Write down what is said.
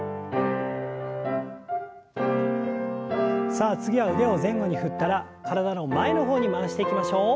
さあ次は腕を前後に振ったら体の前の方に回していきましょう。